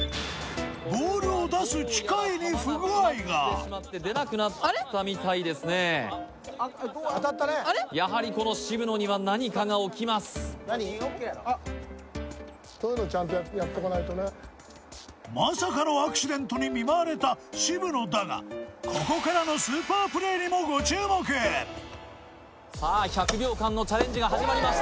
ボールを出す出なくなったみたいですね当たったねやはりこの渋野には何かが起きますそういうのちゃんとやっとかないとねまさかのアクシデントに見舞われた渋野だがここからのさあ１００秒間のチャレンジが始まりました